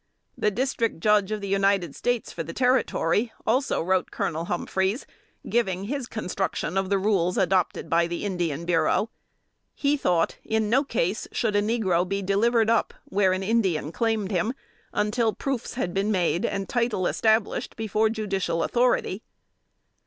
" The District Judge of the United States for the Territory, also wrote Colonel Humphreys, giving his construction of the rules adopted by the Indian Bureau. He thought, in no case, should a negro be delivered up, where the Indians claimed him, until proofs had been made and title established before judicial authority.